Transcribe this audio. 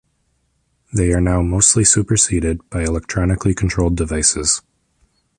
They are now mostly superseded by electronically controlled devices.